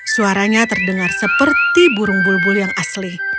suaranya terdengar seperti burung bulbul yang asli